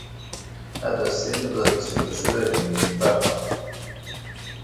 Ad as-tiniḍ d tiqejbabin n taɣaḍt.